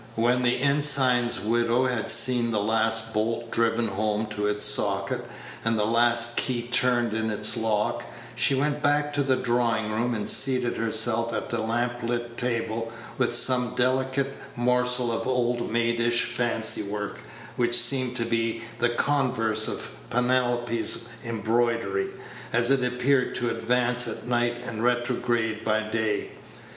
When the ensign's widow had seen the last bolt driven home to its socket, and the last key turned in its lock, she went back to the drawing room and seated herself at the lamp lit table, with some delicate morsel of old maidish fancy work, which seemed to be the converse of Penelope's embroidery, as it appeared to advance at night and retrograde by day.